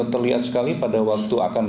terlihat sekali pada waktu akan